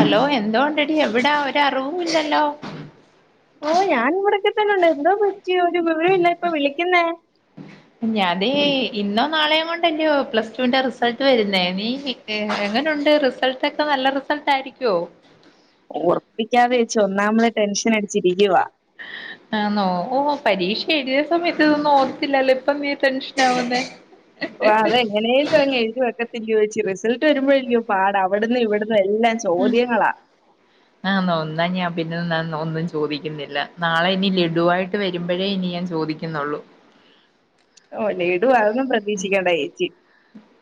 Hello എന്തോ ഉണ്ടെടി എവിടാ ഒരു അറൂവൂ ല്ലല്ലോ. ഓ ഞാൻ ഇവിടൊക്കെ തന്നെ ഉണ്ട് എന്തോ പറ്റിയ ഒരു വിവരില്ല ഇപ്പൊ വിളിക്കുന്നേ. ഞാൻ തേ ഇന്നോ നാളെയോ കൊ [unintelligible] പ്ലസ്ടുന്റെ റിസൾട്ട് വരുന്നേ നീ എങ്ങനെണ്ട് റിസൾട്ട് ഒക്കെ നല്ല റിസൾട്ടായിരിക്കുവോ. ഉറപ്പിക്കാതെ വെചാ ഒന്നാമതെ ടെൻഷൻ അടിച്ചിരിക്കുവാ. ആ ന്നോ ഓ പരീക്ഷ എഴുതിയ സമയത്ത് തൊന്നും ഓർത്തില്ലല്ലോ ഇപ്പ ടെൻഷൻ ആവുന്നെ. എങ്ങനേലും അങ് എഴുതുവാക്കെ ല് ചോദിച്ച് റിസൾട്ട് വരുമ്പോല്ല്യോ പാട അവിടന്ന് ഇവിടന്ന് എല്ലാം ചോദ്യങ്ങളാ. ആ ന്നോ ന്നാ ഞാൻ പിന്നെ ന്ന ഒന്നും ചോദിക്കുന്നില്ല നാളെ ഇനി ലഡുവായിട്ട് വരുമ്പൊഴേ ഇനി ഞാൻ ചോദിക്കൂ. ക്കുന്നുള്ളൂ. ഓ ലഡ്ഡു അതൊന്നും പ്രതീക്ഷിക്കണ്ട ചേച്ചി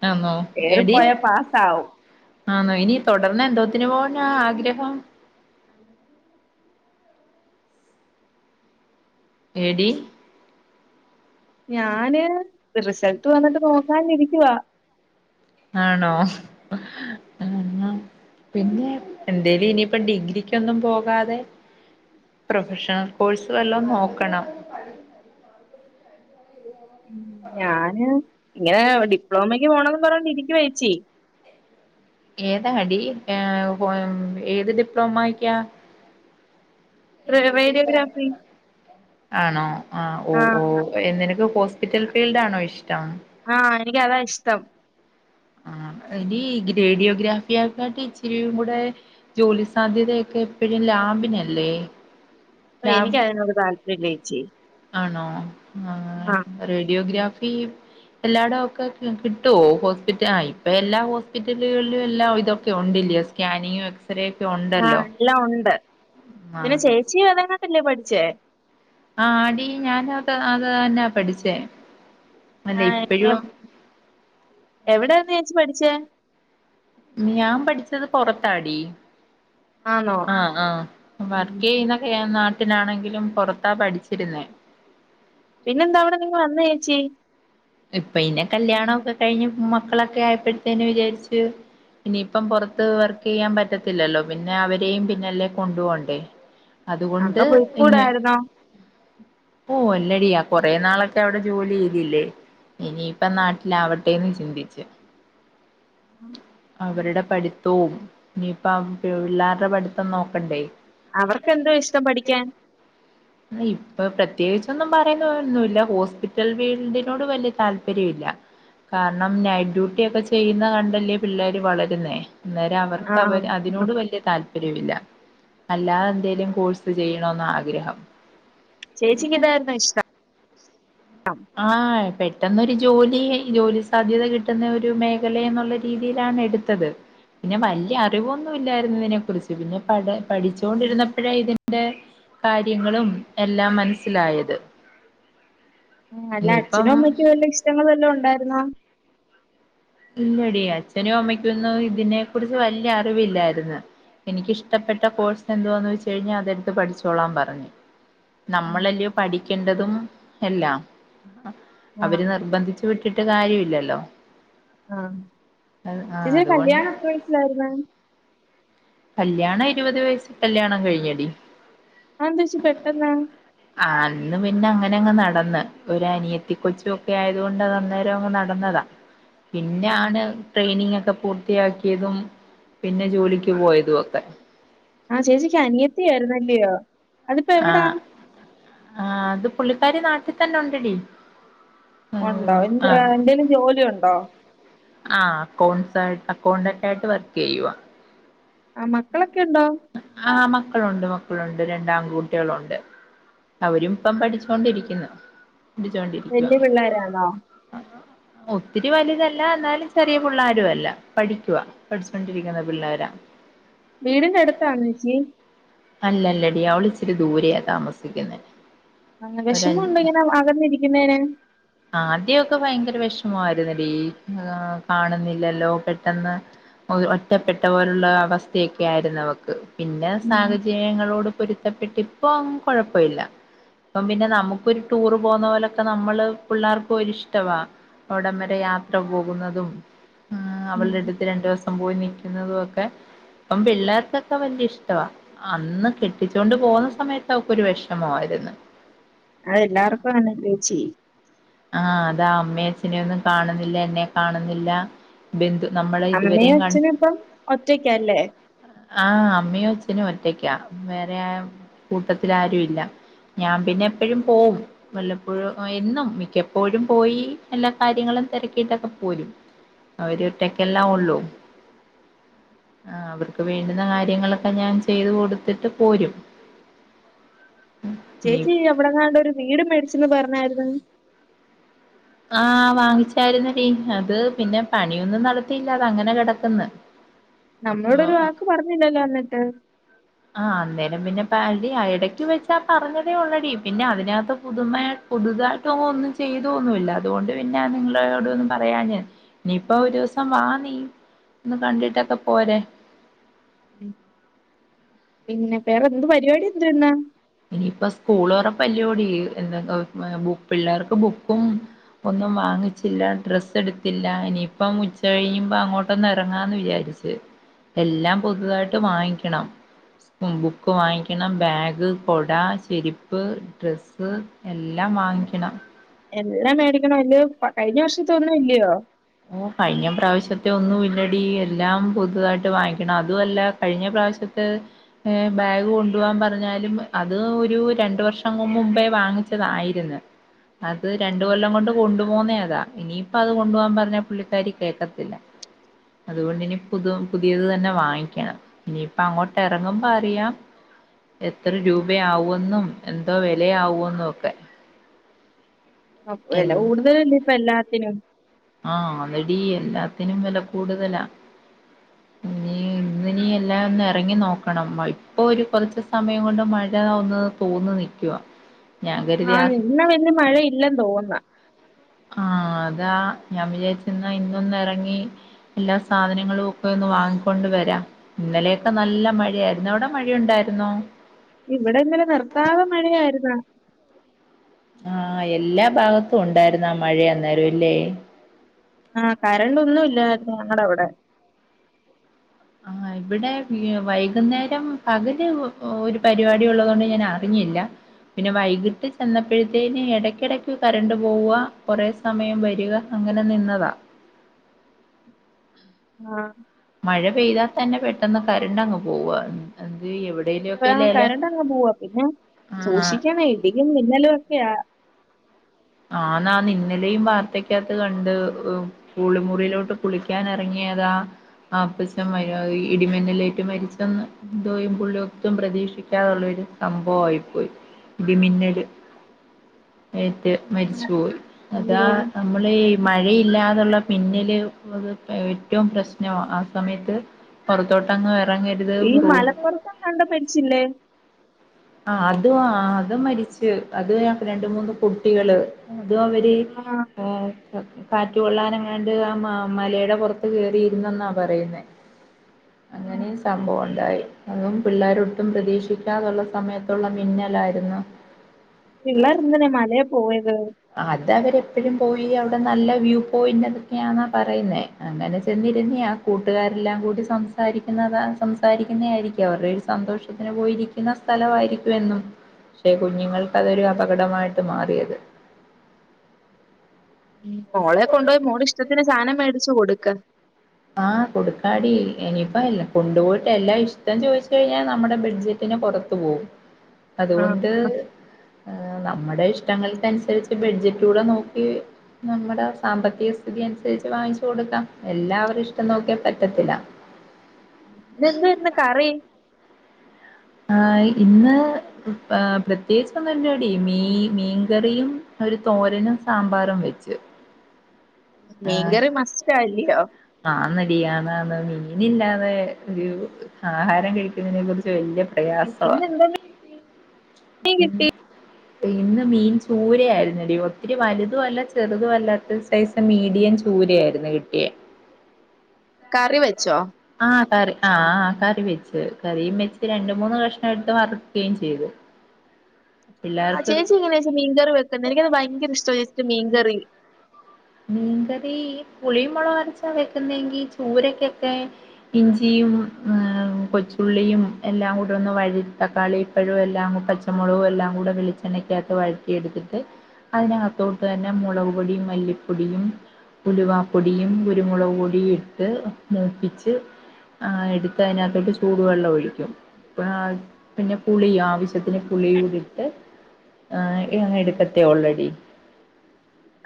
ആന്നോ എടി ഏറിപ്പോയാ പാസ്സാവും. ആന്നോ ഇനി തൊടർന്ന് എന്തോത്തിന് പോവാനാ ആഗ്രഹം എടി ഞാന് റിസൾട്ട് വന്നിട്ട് നോക്കാനിരിക്കുവാ. ആണോ ഉം പിന്നെ എന്തേലും ഇനിപ്പ ഡിഗ്രിക്ക് ക്കൊന്നും പോകാതെ പ്രൊഫഷണൽ കോഴ്സ് വല്ലം നോക്കണം. [inaudible] ഞാന് ഇങ്ങനെ ഡിപ്ലോമക്ക് പോണന്ന് പറന്ന് ഇരിക്ക ചേച്ചി ഏതാ ടി ഏ ഉം ഏത് ഡിപ്ലോമയിക്കാ. റേ റേഡിയോഗ്രാഫി ആണോ ആഹ് ആ ഓഹ് ഓഹ് നിനക്ക് ഹോസ്പിറ്റൽ ഫീൽഡണോ ഇഷ്ടം ആഹ് എനിക്കതാ ഇഷ്ടം ആഹ് എടി റേഡിയോഗ്രാഫിയക്കാട്ട് ഇച്ചരിങ്കുടെ ജോലി സാധ്യതയൊക്കെ എപ്പഴും ലാബിനല്ലേ ഓഹ് ലാബ് എനിക്കതിനോട് താല്പര്യല്ലേച്ചി ആണോ ആഹ് റേഡിയോഗ്രാഫി എല്ലാടൊവോക്കെ കിട്ടുവോ ഹോസ്പിറ്റ ആഹ് ഇപ്പോ എല്ലാ ഹോസ്പിറ്റലുക കളിലും എല്ലാവിതൊക്കെ ഉണ്ട്ല്ലേ സ്കാനിങ്ങും എക്സറെക്കെ ഒ ആഹ് എല്ലാം ഒണ്ട് പിന്നെ ആഹ് ചേച്ചി അതെങ്ങാണ്ടല്ലേ പഠിച്ചേ ആഹ് ടി ഞാൻ അത് അത് തന്നാ പഠിച്ചേ അല്ല ആഹ് ഇപ്പഴും എവടര്ന്ന് ചേച്ചി പഠിച്ചേ? ഞാൻ പഠിച്ചത് പൊറത്താടി ആന്നോ? ആഹ് ആഹ് വർക്ക് ചെയ്യുന്നൊക്കെ ഞാൻ നാട്ടിലാണെങ്കിലും പൊറത്താ പഠിച്ചിരുന്നേ പിന്നെന്താവടെന്നിങ്ങ് വന്നേച്ചി ഇപ്പിന്നെ കല്യാണവോക്കെ കഴിഞ്ഞ് മക്കളൊക്കെ ആയപ്പോഴത്തേന് വിചാരിച്ചു ഇനിപ്പം പൊറത്ത് വർക്ക് ചെയ്യാൻ പറ്റത്തില്ലല്ലോ പിന്നെ അവരെയും പിന്നാല്ലേ കൊണ്ടു പോവണ്ടേ അതുകൊണ്ട് അങ്ങ് പിന്നെ പോയിക്കൂടായിരുന്നോ? ഓഹ് അല്ലടി ആ കൊറെ നാളൊക്കെ അവടെ ജോലി ചെയ്തില്ലേ ഇനിപ്പ നാട്ടിലാവട്ടെന്ന് ചിന്തിച്ച് അവരുടെ പഠിത്തോം ഇനിപ്പം പിള്ളർടെ പഠിത്തം നോക്കണ്ടേ അവർക്ക് എന്തോ ഇഷ്ടം പഠിക്കാൻ ഇപ്പോ പ്രത്യേകിച്ചൊന്നും പറയുന്ന ഒന്നുവില്ല ഹോസ്പിറ്റൽ ഫീൽഡിനോട് വല്യ താല്പര്യം ഇല്ല കാരണം നൈറ്റ് ഡ്യൂട്ടി ഒക്കെ ചെയ്യുന്ന കണ്ടല്ലേ പിള്ളേര് വളരുന്നേ അന്നേരം ആ അവർക്ക് അവ അത് ആ. തിനോട് വലിയ താല്പര്യവില്ല അല്ലാതെ എന്തെലും കോഴ്സ് ചെയ്യണോന്ന ആഗ്രഹം ചേച്ചിക്ക് ഇതായിരുന്നോ ഇഷ്ടം ആഹ് പെട്ടെന്നൊരു ജോലി ജോലി സാധ്യത കിട്ടുന്ന ഒരു മേഖലയ എന്നുള്ള രീതിയിലാണ് എടു ത്തത് പിന്നെ വല്യ അറിവൊന്നും ഇല്ലാരുന്നിതിനെ കുറിച്ച് പിന്നെ പ പഠിച്ചൊണ്ടിരുന്നപ്പോഴേ ഇതിന്റെ കാര്യങ്ങളും എല്ലാം മനസ്സിലായത് ആഹ് അല്ല അച്ഛനും ഇനിയിപ്പം അമ്മയ്ക്കും വല്ല ഇഷ്ടങ്ങള് വല്ലോം ഒണ്ടായിരുന്നോ ഇല്ലടി അച്ഛനും അമ്മയ്ക്കൊന്നും ഇതിനെ കുറിച്ച് വല്യ അറിവില്ലായിരുന്ന് എനിക്കിഷ്ടപ്പെട്ട കോഴ്സ് എന്തുവാന്ന് വെച്ച് കഴിഞ്ഞാ അതെടുത്ത് പഠിച്ചോളാൻ പറഞ്ഞു. ഉം. നമ്മളല്ലയോ പഠിക്കേണ്ടതും എല്ലാം ആ അവര് നിർബന്ധിച്ചു വിട്ട ട്ടിട്ട് കാര്യവില്ലല്ലോ ആഹ് ചേച്ചിടെ അതുകൊണ്ട് കല്യാണം എത്ര വയസ്സിലാര്ന്ന് കല്യാണം ഇരുപത് വയസ്സി കല്യാണം കഴിഞ്ഞടി അത് എന്തേച്ചി പെട്ടന്ന് ആഹ് അന്ന് പിന്നെ അങ്ങനെ അങ്ങ് നടന്ന് ഒരു അനിയത്തി കൊച്ചുവേക്കെ ആയത് കൊണ്ട് അന്നേരം അങ്ങ് നടന്നതാ ആ പിന്നെയാണ് ട്രെയിനിങ്ങേക്കെ പൂർത്തിയാക്കിയതും പിന്നെ ജോലിക്ക് പോയതുവോക്കെ ആഹ് ചേച്ചിക്ക് അനിയത്തി ആയിരുന്നല്ലയോ ആഹ് ആഹ് അത് പുള്ളിക്കാരി നാട്ടി തന്നെ ഉണ്ടടി ഒണ്ടോ എ എന്തെലും ജോലി ഒണ്ടോ ആഹ് അക്കൗണ്ട് അക്കൗണ്ടൻറ്റായിട്ട് വർക്ക് ചെയ്യുവാ ആഹ് മക്കളൊക്കെ ഒണ്ടോ ആഹ് മക്കളോണ്ട് മക്കളോണ്ട് രണ്ടാൺകുട്ടികളോണ്ട് അവരും ഇപ്പം പഠിച്ചോണ്ടിരിക്കുന്നു. പഠിച്ചോണ്ടിരിക്കുവാ വല്യ പിള്ളേരാണോ ഒത്തിരി വലുതല്ല എന്നാലും ചെറിയ പിള്ളാരും അല്ല പഠിക്കുവാ പഠിച്ചൊണ്ടിരിക്കുന്ന പിള്ളേരാ വീടിന്റെ അടുത്താണൊ ചേച്ചി അല്ല അല്ലടി അവള് ഇച്ചിരി ദൂരെയ താമസിക്കുന്ന ആഹ് വിഷമം ഉണ്ടോ ഇങ്ങനെ അകന്നിരിക്കുന്നേന് ആദ്യക്കെ ഭയങ്കര വിഷമമായിരുന്നടി കാണുന്നില്ലല്ലോ പെട്ടെന്ന് ഒറ്റപ്പെട്ട പോലുള്ള അവസ്ഥയൊക്കെ ആയിരുന്നു അവക്ക് പിന്നെ ഉം, സാഹചര്യങ്ങളോട് പൊരു ഇഷ്ടപ്പെട്ട് ഇപ്പം കുഴപ്പല്ല്യ അപ്പ പിന്നെ നമുക്കൊരു ടൂറ് പോകുന്ന പോലെ നമ്മള് പിള്ളേർക്കും ഒരു ഇഷ്ടവാ അവിട വരെ യാത്ര പോകുന്നതും ആഹ് ഉം. അവളുടെ അടുത്ത് രണ്ടു ദിവസം പോയി നിൽക്കുന്നതും ഒക്കെ അപ്പം പിള്ളേർക്കൊക്കെ വലിയ ഇഷ്ടവാ അന്ന് കെട്ടിച്ചൊണ്ട് പോകുന്ന സമയത്ത് അവക്കൊ ഒരു വിഷമമായിരുന്നു അയന്നെ അതെല്ലാവർക്കും അകനെന്നെലെചി ആഹ് അതാ അമ്മ അച്ഛനെന്നും കാണുന്നില്ല എന്നെ കാണുന്നില്ല ബന്ധു നമ്മള് അമ്മയും ഇതുവരെയും കണ്ട് അച്ഛനും ഇപ്പം ഒറ്റയ്ക്കല്ലേ ആഹ് അമ്മോ അച്ഛനും ഒറ്റക്കാ വേറെ കൂട്ടത്തി ആരും ഇല്ല ഞാൻ പിന്നെ എപ്പോഴും പോവും വല്ലപ്പോഴും എന്നും മിക്കപ്പോഴും പോയി എല്ലാ കാര്യങ്ങളും തിരക്കിയിട്ടൊക്കെ പോരും അവര് ഒറ്റക്കെല്ലാ ഉള്ളൂ ആവാ വീണ്ടുന്ന കാര്യങ്ങളൊക്കെ ഞാൻ ചെയ്ത് കൊടുത്തിട്ട് പോരും ഇനി ചേച്ചി എവിടെന്നാണ്ടൊരു ഒരു വീട് മേടിച്ചന്ന് പറഞ്ഞായിരുന്നു ആഹ് വാങ്ങിച്ചായിരുന്നെടി അത് പിന്നെ പണിയൊന്നും നടത്തിയില്ല അത അങ്ങനെ കിടക്കന്ന് നമ്മളോടൊരു വാക്ക് പറഞ്ഞില്ലല്ലോ ന്നിട്ട് ആഹ് അന്നേരം പിന്നെ [unintelligible] ഇടക്ക് വെച്ചാ പറഞ്ഞതേ ഉള്ളടി പിന്നെ അതിനകത്ത് പുതുമ പുതുതായിട്ടും ഒന്നും ചെയ്തോന്നുമില്ല അതുകൊണ്ട് പിന്നെ നിങ്ങളോട് ഒന്ന് പറയാഞേ ഇനിയിപ്പ ഒരു ദിവസം വാ നീ ഒന്ന് കണ്ടിട്ടൊക്കെ പോരെ ഉം പിന്നെ വേറെ എന്ത് പരിപാടി എന്തെന്നാ ഇനിയിപ്പ സ്കൂള് തോറാപ്പല്ലൂടി എന്ത ബു പിള്ളേർക്ക് ബുക്കും ഒന്നും വാങ്ങിച്ചില്ല ഡ്രസ്സ് എടുത്തില്ല ഇനിയിപ്പം ഉച്ച കഴിയുമ്പോ അങ്ങോട്ടൊന്ന് ഇറങ്ങാന്ന് വിചാരി ച്ച് എല്ലാം പുതുതായിട്ട് വാങ്ങിക്കണം ബുക്ക് വാങ്ങിക്കണ ബാഗ് കോട ചെരിപ്പ് ഡ്രസ്സ് എല്ലാം വാങ്ങിക്കണം എല്ലാം മേടിക്കണം അലയോ കഴിഞ്ഞ വർഷത്തൊന്നും ഇല്ലയോ ഓഹ് കഴിഞ്ഞ പ്രാവശ്യത്തെ ഒന്നും എല്ലടി എല്ലാം പുതുതായിട്ട് വാങ്ങിക്കണം അതുമല്ല കഴിഞ്ഞ പ്രാവശ്യത്ത് ഏയ് ബാഗ് കൊണ്ടുപോവാൻ പറഞ്ഞാലും അത് ഒരു രണ്ട് വർഷം മുമ്പേ വാങ്ങിച്ചതായിരുന്നു അത് രണ്ട കൊല്ലം കൊണ്ട് കൊണ്ടു പോവൂന്നെ അതാ ഇനിയിപ്പ അത് കൊണ്ടു പോവാൻ പറഞ്ഞ പുള്ളിക്കാരി കേക്കത്തില്ല അതുകൊണ്ട്നി പുതു പുതിയത് തന്നെ വാങ്ങിക്കണം ഇനിയിപ്പ അങ്ങോട്ട് ഇറങ്ങുമ്പോ അറിയാം എത്ര രൂപയാവുമെന്നും എന്തോ വിലയാവുമന്നൊക്കെ അ വില കൂടുതലല്ലെ ഇപ്പൊ എല്ലാത്തിനും ആഹ്ന്നാടി എല്ലാത്തിനും വില കൂടുതലാ ഇനി ഇന്നിന് എല്ലാം ഒന്ന് ഇറങ്ങി നോക്കണം ഇപ്പോ ഒരു കുറച്ച് സമയം കൊണ്ട് മഴ ഒന്നു തോന്നു നിക്കുവ ഞാൻ കരുതിയാ ഇന്ന് പിന്നെ മഴയില്ലെന്ന് തോന്നെ ആഹ് അതാ ഞാൻ വിചാരിച്ചു ഇന്നൊന്ന് ഇറങ്ങി എല്ലാ സാധനങ്ങളും ഒക്കെ ഒന്ന് വാങ്ങിക്കൊണ്ട് വരാം ഇന്നലെയൊക്കെ നല്ല മഴ ആയിരുന്നു അവടെ മഴയുണ്ടായിരുന്നോ ഇവിടെന്നെലെ നിർത്താതെ മഴയായിരുന്നേ ആഹ് എല്ലാ ഭാഗത്തും ഉണ്ടായിരുന്ന മഴയ അന്നേരല്ലേ ആഹ് കരണ്ടൊന്നും ഇല്ലാരുന്നു ഞങ്ങടവടെ ആഹ് ഇവിടെ വീ വൈകുന്നേരം പകല് ഒരു പരിപാടി ഉള്ളതുകൊണ്ട് ഞാനറിഞ്ഞില്ല പിന്നെ വൈകിട്ട് ചെന്നപ്പഴത്തേന് ഇടക്കിടക്ക് കറണ്ട് പോവുവ കൊറെ സമയം വരിക അങ്ങനെ നിന്നതാ ആഹ് മഴ പെയ്താ തന്നെ പെട്ടെന്ന് കരണ്ടങ്ങ് പോവ എന്തെയ്യും എവിടേലു ഇപ്പ കരണ്ടങ്ങ് പോവാ പിന്നെ ആ സൂക്ഷിക്കണെ ഇടിയും മിന്നലുവൊക്കയാ ആന്നാന്ന് ഇന്നലെയും വാർത്തക്കാത്ത് കണ്ട് ഉം കുളിമുറിയിലോട്ട് കുളിക്കാനെറങ്ങിയതാ അപ്പച്ചൻ വയ്യാതേയ് ഇടിമിന്നലേറ്റ് മരിച്ചന്ന് എന്തോയ്യും പുള്ളിയൊട്ടും പ്രതീക്ഷിക്കാതുള്ളൊരു സംഭവായിപ്പോയി ഇടിമിന്നല് ഏറ്റ് മരിച്ചുപോയി അതാ അയ്യോ നമ്മള് ഈ മഴയില്ലാതുള്ള മിന്നല് അത് ഏറ്റവും പ്രശ്നം ആ സമയത്ത് പൊറത്തോട്ടൊന്നും എറങ്ങരുത് റൂ ഇപ്പംങ്ങാണ്ട് മരിച്ചില്ലേ ആഹ് അത് അത് മരിച്ച് അത് രണ്ട് മൂന്ന് കുട്ടികള് അതും അവര് ആഹ് ആഹ് കാറ്റ് കൊള്ളാനെങ്ങാണ്ട് ആ മ മലയുടെ പുറത്ത് കയറിയിരുന്നെന്നാ പറയുന്നേ അങ്ങനേ സംഭവം ഉണ്ടായേ അതും പിള്ളാരൊട്ടും പ്രതീക്ഷിക്കാതൊള്ള സമയത്തൊള്ള മിന്നലായിരുന്ന് പിള്ളാരെന്തിനാ മലേ പോയത് അതവരെപ്പഴും പോയി അവിടെ നല്ല വ്യൂ പോയിന്റ് അതൊക്കെയാന്നാ പറയുന്നേ അങ്ങനെ ചെന്നിരുന്നയാ കൂട്ടുകാരെല്ലാം കൂടി സംസാരിക്കുന്നത സംസാരിക്കുന്നെ ആയിരിക്കും അവരുടെ ഒരു സന്തോഷ ത്തിന് പോയിരിക്കുന്ന സ്ഥലവായിരിക്കും എന്നും പക്ഷെ കുഞ്ഞുങ്ങൾക്കതൊരു അപകടമായിട്ട് മാറിയത് ഉം മോളെ കൊണ്ട്പോയി മോടിഷ്ടത്തിന് സാധനം മേടിച്ചു കൊടുക്ക് ആഹ് കൊടുക്കാടി ഇനിയിപ്പല്ല കൊണ്ടുപോയിട്ട് എല്ലാം ഇഷ്ടം ചോദിച്ച് കഴിഞ്ഞാ നമ്മുടെ ബെഡ്ജെ റ്റിന് പുറത്തു പോവും ആ അതുകൊണ്ട് അഹ് നമ്മടെ ഇഷ്ട്ടങ്ങൾക്കനുസരിച്ച് ബെഡ്ജറ്റൂടെ നോക്കി നമ്മടെ സാമ്പത്തിക സ്ഥിതി അനുസരിച്ച് വാങ്ങിച്ചു കൊടുക്കാം എല്ലാം അവരിടെ ഇഷ്ടം നോക്കിയാ പറ്റത്തില്ല ഇന്നെന്തുവാര്ന്ന് കറി ആഹ് ഇന്ന് പാ പ്രത്യേകിച്ചൊന്നും ഇല്ലടി മീ മീൻകറിയും ഒരു തോരനും സാമ്പാറും വെച്ച് മീൻകറി മസ്റ്റാ ഇല്ലിയോ ആന്നടി ആന്നാന്ന് മീനില്ലാതെ ഒരു ആഹാരം കഴിക്കുന്നതിനെ കുറി ച്ച് വല്ല്യ ഇ- പ്രയാസവാ ഇന്ന് എന്ത് ഇന്ന് മീൻ ചൂര ആയിരുന്നടി ഒത്തിരി വലുതും അല്ല ചെറുതും അല്ലാത്ത സൈസ് മീഡിയം ചൂരയായിരുന്നു കിട്ടിയേ കറി വെച്ചോ ആഹ് കറി ആഹ് കറി വെച്ച് കറിയും വെച്ച് രണ്ട് മൂന്ന് കഷ്ണം എടുത്ത് വറക്കേം ചെയ്ത് [inaudible] ആഹ് ചേച്ചി എങ്ങനെ ചേച്ചി മീൻ കറി വെക്കുന്നെ എനിക്കത് ഭയങ്കര ഇഷ്ട്ടവാ ചേച്ചീടെ മീൻകറി മീൻകറീ പുളിയും മുളകും അരച്ച വെക്കുന്നെങ്കി ചൂരക്കക്കെ ഇഞ്ചിയും ആഹ് കൊച്ചുള്ളിയും എല്ലാം കൂടൊന്നു വഴ തക്കാളിപ്പഴോ എല്ലാം പച്ചമുളകും എല്ലാം കൂടെ വെളി ച്ചെണ്ണക്കാത്ത് വഴറ്റി എടുത്തിട്ട് അതിനകത്തോട്ട് തന്നെ മുളക്പൊടിം മല്ലി പ്പൊടിയും ഉലുവാപ്പൊടിയും കുരുമുളക് പൊടിയും ഇട്ട് മൂപ്പിച്ച് ആഹ് എടുത്ത് അതിനാത്തോട്ട് ചൂടുവെള്ളം ഒഴിക്കും ആഹ് പിന്നെ പുളി ആവശ്യത്തിന് പുളിയൂടിട്ട് ആഹ് ഇങ്ങനെ എടുക്കത്തേ ഒള്ളെഡി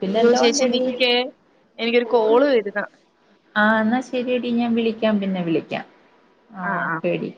പിന്നെ എന്തുവാ പക്ഷ നിക്കേ എനിക്കൊരു കോള് വരുന്ന. ആഹ എന്നാ ശരിയടി ഞാൻ വിളിക്കാം പിന്നെ വിളിക്കാം ആ ഒക്കെ ടി